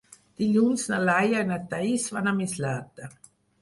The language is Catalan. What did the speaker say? Dilluns na Laia i na Thaís van a Mislata.